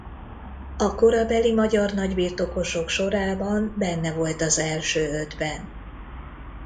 A korabeli magyar nagybirtokosok sorában benne volt az első ötben.